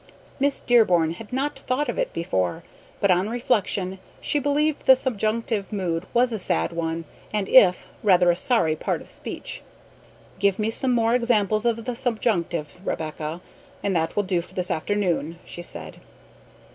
Miss Dearborn had not thought of it before, but on reflection she believed the subjunctive mood was a "sad" one and "if" rather a sorry "part of speech." "Give me some more examples of the subjunctive, Rebecca, and that will do for this afternoon," she said.